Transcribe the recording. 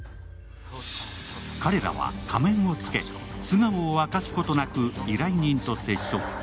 彼らは仮面を着け、素顔を明かすことなく依頼人と接触。